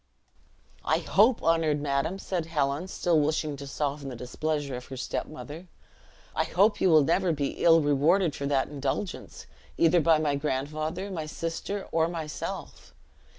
"I hope, honored madam," said Helen, still wishing to soften the displeasure of her step mother, "I hope you will never be ill rewarded for that indulgence, either by my grandfather, my sister, or myself.